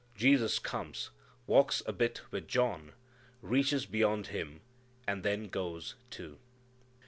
Jesus comes, walks a bit with John, reaches beyond him and then goes, too.